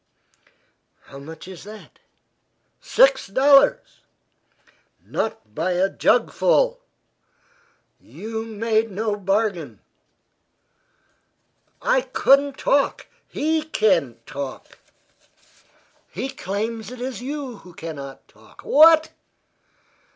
"How much is that?" "Six dollars." "Not by a jugfull!" "You made no bargain." "I couldn't. He can't talk." "He claims it is you who cannot talk." "What!"